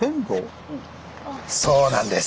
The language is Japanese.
そうなんです。